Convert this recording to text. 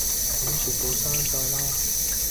噉全部刪晒啦